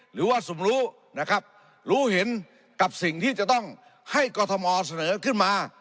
หรือว่าสมรู้นะครับรู้เห็นกับสิ่งที่จะต้องให้กรทมเสนอขึ้นมา